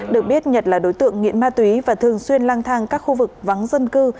được biết nhật là đối tượng nghiện ma túy và thường xuyên lang thang các khu vực vắng dân cư